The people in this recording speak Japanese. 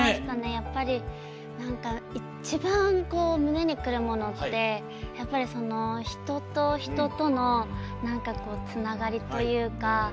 やっぱり、一番胸にくるものってやっぱり、人と人とのつながりというか。